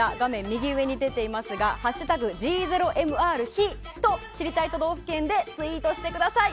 右上に出ていますが「＃ｇ０ｍｒ火」で知りたい都道府県でツイートしてください。